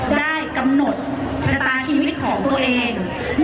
ได้กำหนดชะตาชีวิตของตัวเอง